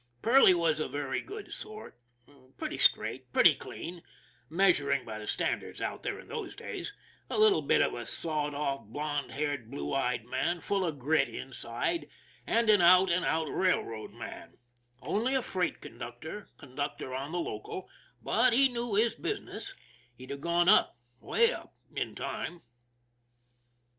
Perley was a very good sort, pretty straight, pretty clean, measuring by the standards out here in those days; a little bit of a sawed off, blond haired, blue eyed man, full of grit inside, and an out and out rail road man only a freight conductor, conductor on the local, but he knew his business; he'd have gone up, 'way up, in time.